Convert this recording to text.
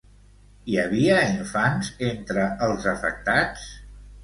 Hi havia infants entre els afectats?